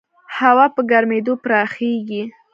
هوا په ګرمېدو پراخېږي.